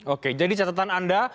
oke jadi catatan anda